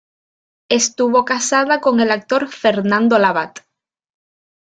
Estuvo casada con el actor Fernando Labat.